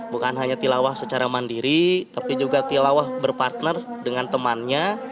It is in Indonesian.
bukan hanya tilawah secara mandiri tapi juga tilawah berpartner dengan temannya